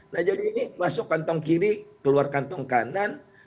nah jadi ini masuk kantong kiri keluar kantong kanan